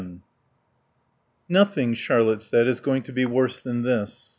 VII "Nothing," Charlotte said, "is going to be worse than this."